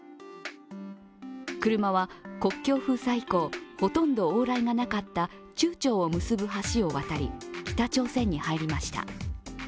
車は国境封鎖以降、ほとんど往来がなかった中朝を結ぶ橋を渡り、北朝鮮に入りました。